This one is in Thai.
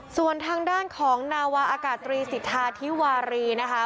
ส่วนทางด้านของนาวาอากาศตรีสิทธาธิวารีนะคะ